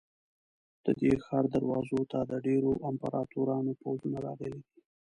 د دې ښار دروازو ته د ډېرو امپراتورانو پوځونه راغلي دي.